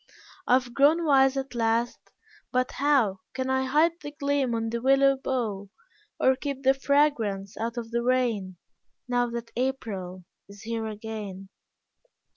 I have grown wise at last but how Can I hide the gleam on the willow bough, Or keep the fragrance out of the rain Now that April is here again?